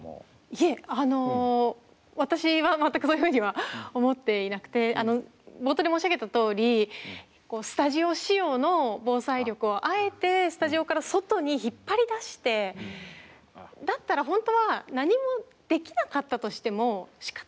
いえ私は全くそういうふうには思っていなくて冒頭で申し上げたとおりスタジオ仕様の防災力をあえてスタジオから外に引っ張り出してだったら本当は何もできなかったとしてもしかたないわけですよね。